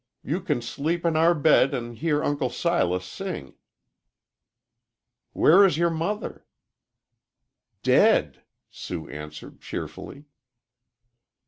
"You can sleep in our bed an' hear Uncle Silas sing." "Where is your mother?" "Dead," Sue answered, cheerfully.